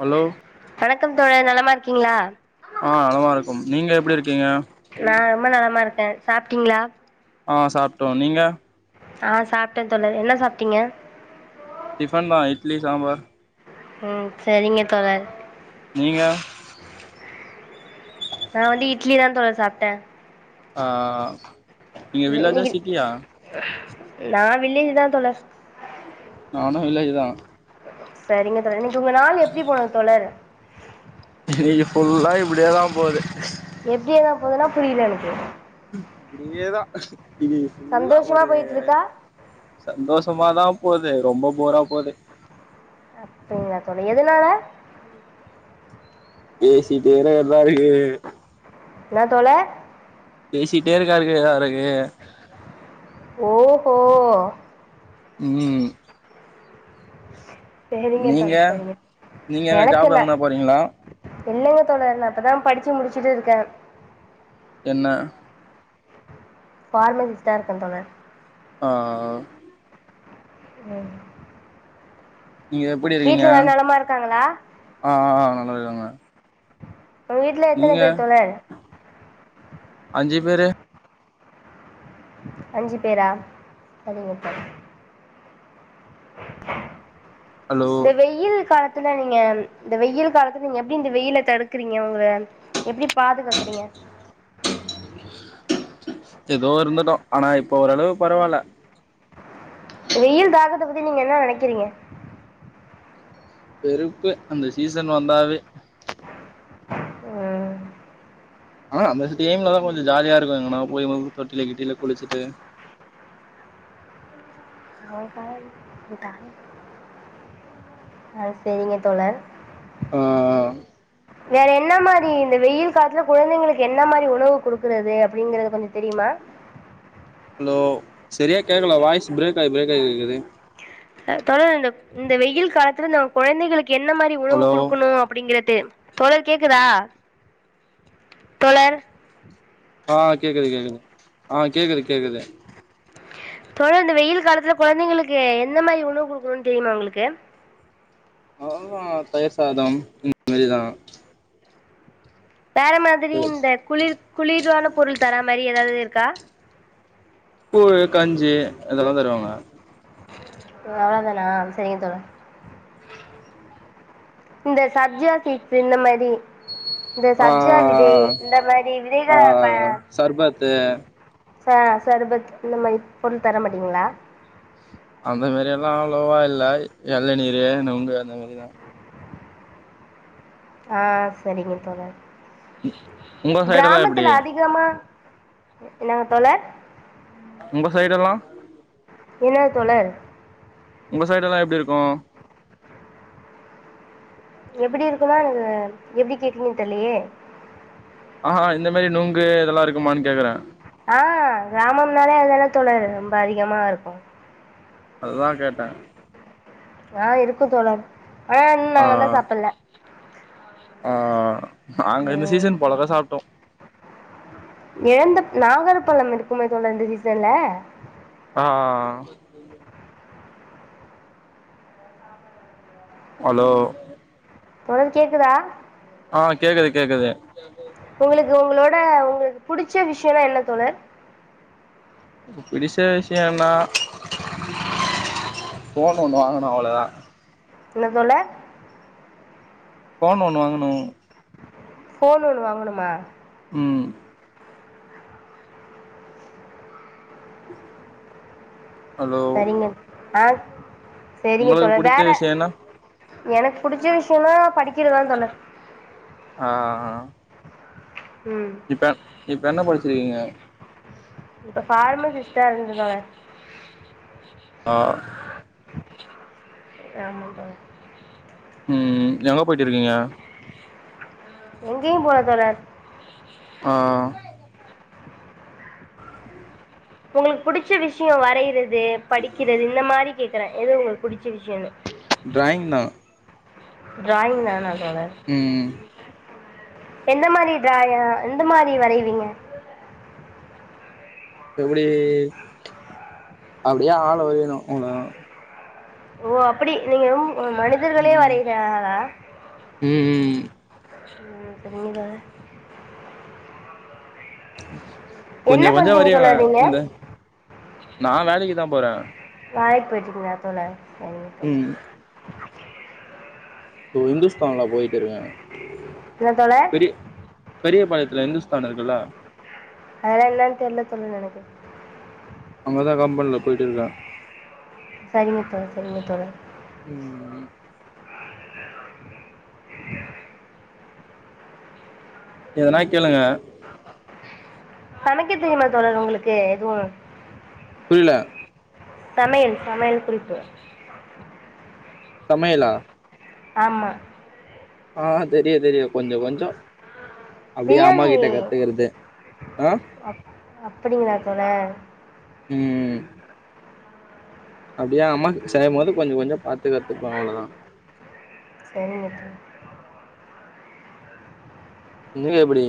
Hello வணக்கம் தோழ நலமா இரு இருக்கீங்ளா ஆ நலமா இருக்கோ நீங்க எப்டி இருக்கீங்க சாப்ட்டீங்ளா ஆ சாப்ட்டோ நீங்க ஆ சாப்ட்டே தோழர் என்ன சாப்ட்டீங்க டிஃபன் தா இட்லி சாம்பார் உம் சரிங்க தோழர் நீங்க நா வந்து இட்லி தா தோழர் சாப்ட்டே ஆஹ்ஹ்ஹ் நீங்க வில்லேஞ்சா இன்னைக்கு சிட்டியா நா வில்லேஜ் தா தோழர் நானு வில்லேஜு தா சரிங்க தோழர் உங்க நாள் எப்டி போனது தோழர் இன்னைக்கு ஃபுல்லா இப்டியே தா போகுது எப்டியேதா போதுன்னா புரியல எனக்கு இப்டியேதா இது ஃபுல்லா சந்தோஷமா ஒரு போயிட்டு இருக்கா சந்தோஷமாதா போது ரொம்ப போரா போது அப்டிங்ளா தோழர் எதுனால பேசிட்டேதே எல்லா இருக்கு என்னா தோழர் பேசிட்டே இருக்காருக்குருக்கு ஓகோ உம் [inaudible] நீங்க தோழர் சரிங்க நீங்க எங்க எனக்கு ஜாப் இல்ல எங்கனா போறீங்ளா இல்லைங்க தோழர் நா இப்பதா படிச்சு முடிச்சுட்டு இருக்கே என்னா பார்மசிஸ்ட்டா தா இருக்கே தோழர் ஆ [inaudible] நீங்க எப்டி இருக்கீங்க வீட்ல எல்லா நலமா இருக்காங்களா ஆ ஆ நல்லருக்க உங்க வீட்ல எத்தன பேரு தோழர் அஞ்சு பேரு அஞ்சு பேரா சரிங்க தோழர் ஹலோ இந்த வெயில் கால காலத்துல நீங்க இந்த வெயில் காலத்துல நீங்க எப்டி இந்த வெயில தடுக்குறீங்க உங்கள எப்டி பாதுகாக்குறீங்க ஏதோ இருந்துட்டோ ஆனா இப்ப ஓரளவு பரவால வெயில் தாகத்த பத்தி நீங்க என்ன நெனைக்கிறீங்க வெருப்பு அந்த சீசன் வந்தாவே ம் ஆ அந்த ஸ்டிம்லதா கொஞ்சோ ஜாலியா இருக்கு எங்கானா போய் தொட்டில கிட்டில குளிச்சிட்டு ஆ சேரிங்க தோழர் ஆ வேற என்ன மாரி இந்த வெயில் காலத்துல குழந்தைங்களுக்கு என்ன மாரி உணவு குடுக்குறது அப்பிடிங்கறது கொஞ்ச தெரியுமா ஹலோ சரியா கேட்கல வாய்ஸ் பிரேக் ஆய் பிரேக் ஆய் கேக்குது அ தோழர் இந்த இந்த வெயில் காலத்துல நம் குழந்தைகளுக் கு என்ன மாரி உணவு ஹலோ குடுக்கணு அப்பிடிங்கிறது தோழர் கேக்குதா தோழர் ஆ கேக்குது கேக்குது ஆ கேக்குது கேக்குது தோழர் இந்த வெயில் காலத்துல குழந்தைங்களுக்கு எந்த மாரி உணவு குடுக்கணு தெரியுமா உங்களுக்கு ஆஹா தயிர்சாதம் இந்த மாரிதா வேற மாதிரி இந்த குளிர் குளிர்ரான பொருள் தரா மாரி ஏதாவது தா போயத் கஞ்சி இதெல்லா தருவாங்க அவ்வளதானா சரிங்க தோழா இந்த சப்ஜா சீட்ஸ் இந்த மாரி இந்த ஆ சப்ஜா விதை இந்த மாரி விதைகள ப இத ச சர்பத் இந்த மாரி பொருள் தரமாட்டீங்களா அந்த மாரில்லா அவ்ளோவா இல்ல எலநீரு நுங்கு அந்த மாதிரிதா ஆ சரிங்க தோழர் உங்க சைடு எல்லா எப்டி கிராமத்துல அதிகமா என்னாங்க தோழர் உங்க சைடொல்லா என்ன தோழர் உங்க சைடு எல்லா எப்பிடி இருக்கு எப்பிடி இருக்குனா ஆ எப்பிடி கேக்கிங்கன்னு தெல்லையே ஆ இந்த மாரி நுங்கு இதெல்லா இருக்குமான்னு கேக்குறே ஆ கிராமம்னாலே அதான தோழர் ரொம்ப அதிகமா இருக்கு அதா கேட்டே ஆ இருக்கு தோழர் ஆ இன் நாங்க இன்னு சாப்பில ஆ நாங்க இந்த ம் சீசன் போழதா சாப்ட்டோ எழந்த நாகர் பழம் இருக்குமே தோழரே இந்த சீசன்ல ஆ ஆ ஆ அலோ தோழர் கேக்குதா ஆ கேக்குது கேக்குது உங்களுக்கு உங்களோட உங்க உங்களுக்கு புடிச்ச விஷயனா என்ன தோழர் பிடிச்ச விஷயன்னா ஃபோன் ஒன்னு வாங்கணு அவ்வளதா என்ன தோழர் ஃபோன் ஒன்னு வாங்கணு ஃபோன் ஒன்னு வாங்கணுமா உம் ஹலோ சரிங்க ஆ செரிங்க உங்களுக்கு தோழர் புடிச்ச வேற விஷயம்னா எனக்கு புடிச்ச விஷயன்னா படிக்குறதா தோழர் ஆ ஆ ஆ ம் இப்ப இப்ப என்ன படிச்சுருக்கீங்க இப்ப பார்மசிஸ்டரா இருந்துட்டுவாறே ஆ ஆம உம் எங்க போயிட்டு இருக்கீங்க எங்கேயு போல தோழர் ஆ உங்களுக்கு புடிச்ச விஷயோ வரையுறது படிக்குறது இந்த மாதிரி கேக்குறே எது உங்களுக்கு புடிச்ச விஷயனு டிராயிங் தா டிராயிங் தானா தோழர் ம் எந்த மாரி டிராய எந்த மாரி வரைவீங்க எப்டி அப்டியே ஆள வரையணு உங்க ஓ அப்புடி நீங்க உ மனிதர்களே ம் வரைகிறா ம் ம் நீங்கதான [inaudible] கொஞ்ச என்ன கொஞ்ச பண்ணுறீங்க வரய்வே தோழர் நீங்கள் இந்த நா வேலைக்கு தா ப்புற வேலைக்கு போயிட்டிங்கலா தோழர் அப்ப [unintelligible] ஓ இந்துஸ்தான்ல போயிட்டு இருங்க என்ன தோழர் பெரிய பெரிய பாளையத்துல இந்துஸ்தான் இருக்குல்லா அதுலாம் என்ன தெரில சொல்லு என எனக்கு அங்கதா கம்பண்ல ப் போய்ட்டு இருக்கேன் இனத்த சரினத்தல ம் ம் ம் இ [inaudible] எதுனா கேளுங்க கணக்கு தெரியுமா தோழர் உங்களுக்கு எதுவும் புரில சமையல் சமையல் குறிப்பு சமையலா ஆம்மா ஆஹ் தெரியும் தெரியும் கொஞ்ச கொஞ்சம் அப்படிய அம்மா பிரியாணி கிட்ட கத்துக்கறது அஹ் அப்படிங்கலா தோழர் ம்ம்ம் அப்படியா அம்மாக் செய்யும்போது கொஞ்சம் கொஞ்சம் பாத்து கத்துப்பேன் அவ்வளவுதான் செரிங்க இனிமேல் எப்படி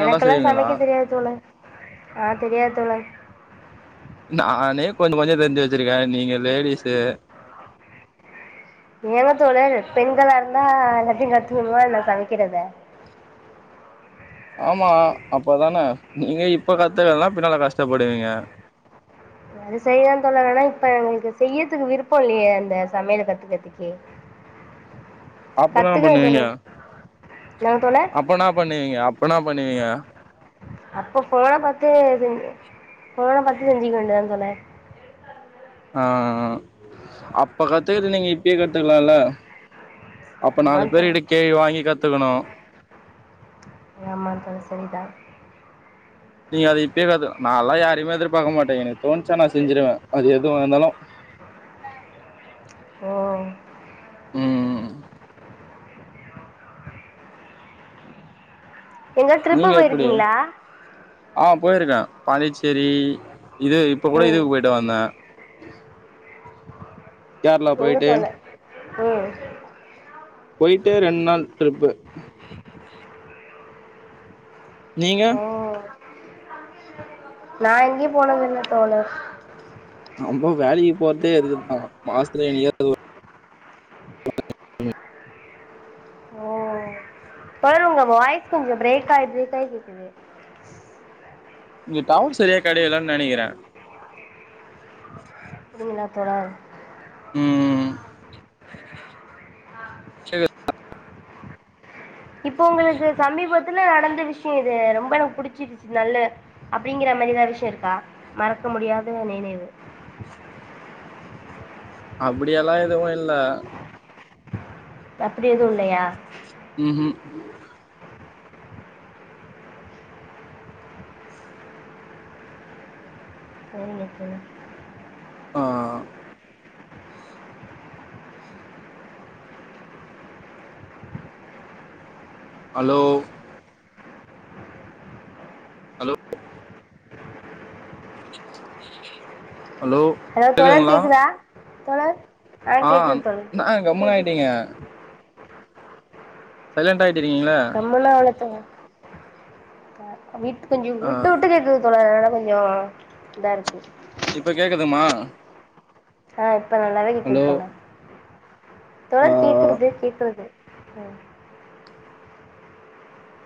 எனக்கெல்லாம் செய்வீங்களா சமைக்க தெரியாது தோழர் ஆஹ் தெரியாது தோழர் நானே கொஞ்சம் கொஞ்சம் தெரிஞ்சு வச்சிருக்கேன் நீங்க லேடிசு எங்க தோழர் பெண்களா இருந்தா எல்லாத்தையும் கத்துக்கணுமா என்ன சமைக்கறத ஆமா அப்பதானே நீங்க இப்ப கத்துக்கலானா பின்னால கஷ்டப்படுவீங்க அது செய்யலாம் தோழர் ஆன இப்ப எங்களுக்கு செய்றதுக்கு விருப்பம் இல்லையே அந்த சமையல கத்துக்கறத்துக்கு அப்பன் பண்ணுவீங்க என்னங்க தோழர் அப்பனா பண்ணுவீங்க அப் அப்பன்னா பண்ணுவீங்க அப்ப போனை பாத்து இதுங் போனை பாத்து செஞ்சுக்க வேண்டியது தா தோழர் ஆ ஆஹ் ஹா அப்ப கத்துக்கரது நீங்க இப்பயே கத்துக்கலாம்ல அப்ப ஆமா நாலு பேரு கிட்ட தோழர் கேவி வாங்கி கத்துக்கணும் ஆமா தோழி சரி தான் நீங்க அத இப்பயே கத்துக்கலாம் நான்லாம் யாரயுமே எதிர்பாக்கா மாட்டேன் எனக்கு தோணுச்சா நான் செஞ்சிருவேன் அது எதுவந்தாலும் ஓ ம் எங்காது ட்ரிப்பு நீங்க எப்டி போயிருக்கீங்களா? ஆ போயிருக்கே பாண்டிச்சேரி இது இப்ப கூட ம் இதுக்கு போயிட்டு வந்தே கேரளா எங்க போயிட்டு தோழர் ம் போய்ட்டு ரெண்டு நாள் டிரிப்பு நீங்க ம் நா எங்கயு போனது இல்ல தோழா நம்போ வேலைக்கி போறதே இதுக்குத்தா மாசத்துல என்னிக்காது ஒரு [unintelligible] ஓ தோழர் உங்க வாய்ஸ் கொஞ்ச பிரேக் ஆயி பிரேக் ஆயி கேக்குது இங்க டவர் செரியா கெடைக்கலன்னு நெனைக்கிறே அப்பிடிங்களா தோழா ம் ஆஹ் ஆ விஷ் யோ இது ரொம்ப எனக்கு புடிச்சிருச்சு நல்ல அப்டிங்கற மாரி எதாது விஷயோ இருக்கா மறக்க முடியாத நினைவு அப்பிடி எல்லா எதுவு இல்ல அப்பிடி எதுவு இல்லையா ம் ஹும் செரிங்க தோழா ஆ அலோ ஹலோ ஹலோ தோழர் கேக்குதுங்களா கேக்குதா தோழர் ஆ கேக்குது தோழர் என்ன கேக்குது கம்முனு ஆயிட்டீங்க சைலண்ட் ஆயிட் கம்முனுல்லா இல்ல தோழர் ஆ ஆ விட் கொஞ்சோ ஆ விட்டு விட்டு கேக்குது தோழரே அதனா ல கொஞ்சோ இதா இருக்கு இப்ப கேக்குதுமா ஆட் இப்ப நல்லாவே ஹலோ கேக்குது [unintelligible] ஆ தேழ் கேக்குது போ கேக்குது போ ஹ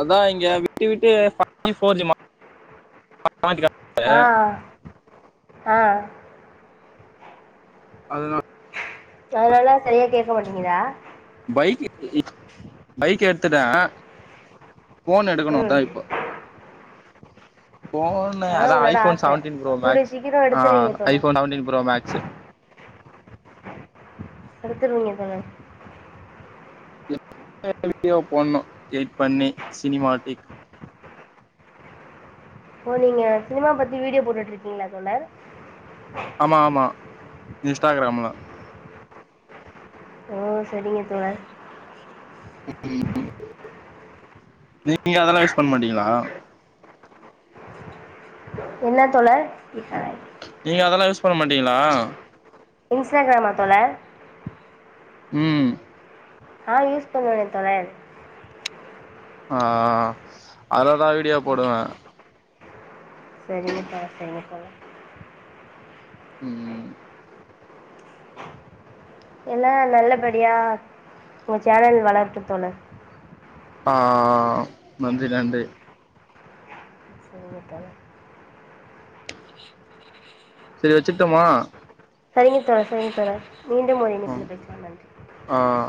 அதா இங்க விட்டு விட்டு பக்க ஃபோர்ஜி மா [unintelligible] ஆ ஆ அதனா அதனால சரியா கேக்க மாட்டிங்குதா பைக் க் பைக் எடு த்துட போன் எடுக்கணு ம் அதா இப்போ போன்னு அதா உங்களோட ஐபோ ஆச செவன்டீன் ப்ரோ கூடிய மேக்ஸ் சீக்கிரோ ஆ எடுத்துருவீங்க தோழர் ஐபோன் செவன்டீன் ப்ரோ மேக்ஸ் எடுத்துருவீங்க தோழர் இல்ல வீடியோ போனு எட் பண்ணி சினிமா டேக் ஓ நீங்க சினிமா பத்தி வீடியோ போட்டுட்டு இருக்கீங்களா தோழர் ஆமா ஆமா இஸ்டாகிராம்லா ஓ செரிங்க தோழர் ம் ம் நீங்க அதெல்லா யூஸ் பண்ண மாட்டீங்களா என்னா தோழர் நீங்க அதெல்லா யூஸ் பண்ண மாட்டீங்களா இன்ஸ்டாகிராமா தோழர் ம் ஆ யூஸ் பண்ணுவனே தோழர் ஆ ஆ அதா இதா வீடியோ போடுவே செரிங்க தோழர் செரிங்க தோழர் ம் எல்லா நல்லபடியா உங்க சேனல் வளரட்டு தோழர் ஆ ஆ ஆ நன்றி நன்றி சரிங்க செரி வச்ட்டுமா செரிங்க தோழர் செரிங்க தோழர் மீண்டு ஒரு இணைப்பில் பேசலா நன்றி ஆ